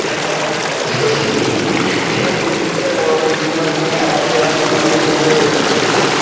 শিন ডেভিসকে বলতে গিয়েছিল যে কাজ শেষ, কিন্তু অনেক দেরি হয়ে গিয়েছিল।